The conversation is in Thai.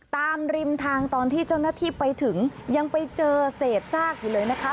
ริมทางตอนที่เจ้าหน้าที่ไปถึงยังไปเจอเศษซากอยู่เลยนะคะ